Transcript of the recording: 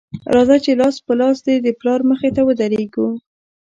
راځه چې لاس په لاس دې د پلار مخې ته ودرېږو